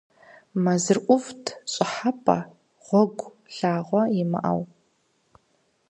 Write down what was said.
Мэзыр ӏувт, щӏыхьэпӏэ, гъуэгу, лъагъуэ имыӏэу.